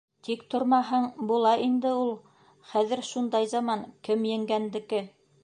Тик тормаһаң, була инде ул. Хәҙер шундай заман — кем еңгәндеке.